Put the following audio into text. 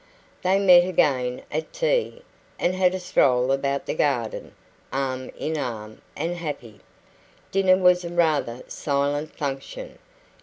They met again at tea, and had a stroll about the garden, arm in arm and happy. Dinner was a rather silent function.